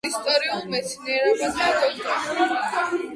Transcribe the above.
ისტორიულ მეცნიერებათა დოქტორი.